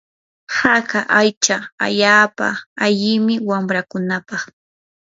haka aycha allaapa allimi wanrakunapaq.